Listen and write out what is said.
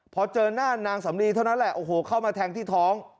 พอเจอหน้านางสำลีเท่านั้นแหละโอ้โหเข้ามาแทงที่ท้อง